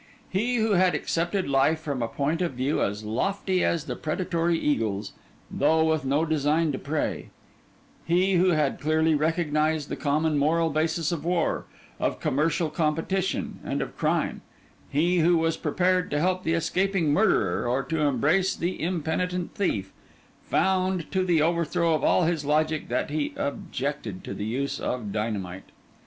He who had accepted life from a point of view as lofty as the predatory eagle's, though with no design to prey; he who had clearly recognised the common moral basis of war, of commercial competition, and of crime; he who was prepared to help the escaping murderer or to embrace the impenitent thief, found, to the overthrow of all his logic, that he objected to the use of dynamite.